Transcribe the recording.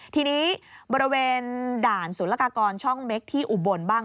ทีนี้บริเวณด่านสุรกากรช่องเม็กที่อุบลบ้าง